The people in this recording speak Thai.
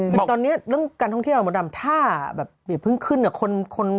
คือตอนนี้เรื่องการท่องเที่ยวถ้าอย่าเพิ่งขึ้น